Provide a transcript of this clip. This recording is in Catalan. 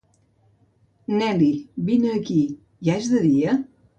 Nelly, vine aquí. Ja és de dia?